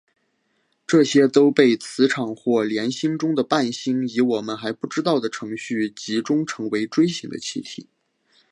这些都被磁场或联星中的伴星以我们还不知道的程序集中成为锥形的气体。